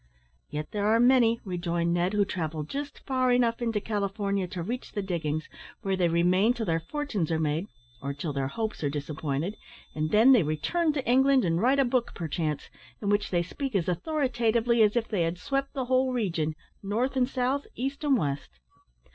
"Yet there are many," rejoined Ned, "who travel just far enough into California to reach the diggings, where they remain till their fortunes are made, or till their hopes are disappointed, and then return to England and write a book, perchance, in which they speak as authoritatively as if they had swept the whole region, north and south, east and west.